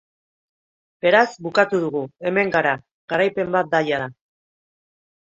Beraz, bukatu dugu, hemen gara, garaipen bat da jada.